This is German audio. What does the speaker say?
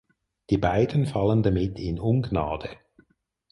Die beiden fallen damit in Ungnade.